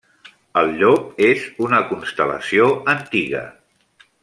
El Llop és una constel·lació antiga.